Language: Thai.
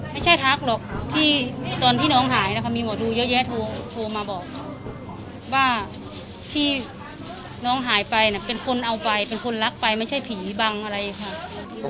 ทักหรอกที่ตอนที่น้องหายนะคะมีหมอดูเยอะแยะโทรมาบอกว่าที่น้องหายไปเป็นคนเอาไปเป็นคนรักไปไม่ใช่ผีบังอะไรค่ะ